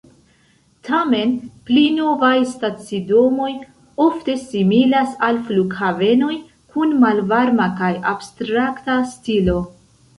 Tamen, pli novaj stacidomoj ofte similas al flughavenoj, kun malvarma kaj abstrakta stilo.